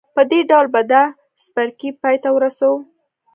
په دې ډول به دا څپرکی پای ته ورسوو